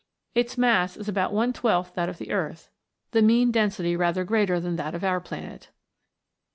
Its mass is about one twelfth that of the Earth, the mean density rather greater than that of our planet.